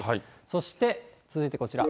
そして続いてこちら。